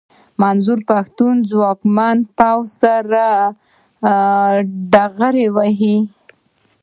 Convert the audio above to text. منظور پښتين د ځواکمن پوځ سره ډغرې وهي.